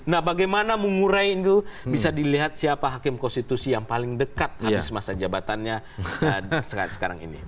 nah bagaimana mengurai itu bisa dilihat siapa hakim konstitusi yang paling dekat habis masa jabatannya sekarang ini